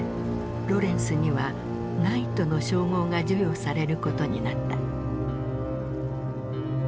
ロレンスにはナイトの称号が授与されることになった。